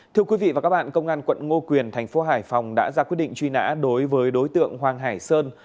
thưa quý vị và các bạn công an quận ngô quyền thành phố hải phòng đã ra quyết định truy nã đối với đối tượng hoàng hải sơn